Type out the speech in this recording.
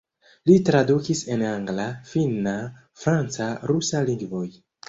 Li tradukis el angla, finna, franca, rusa lingvoj.